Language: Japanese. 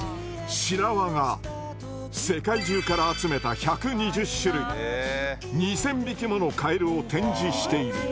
白輪が世界中から集めた１２０種類２０００匹ものカエルを展示している。